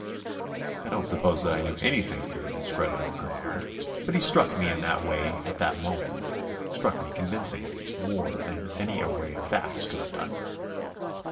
I don't suppose that I knew anything to the discredit of Gurnard but he struck me in that way at that moment; struck me convincingly more than any array of facts could have done.